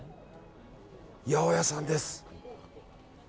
八百屋さんです。